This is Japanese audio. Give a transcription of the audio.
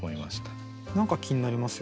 何か気になりますよね。